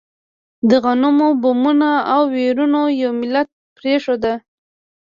د غمونو، بمونو او ويرونو یو ملت پرېښود.